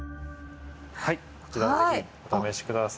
はいこちらぜひお試しください。